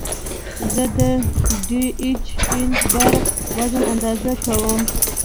زه د ډي ایچ ایل بار وزن اندازه کوم.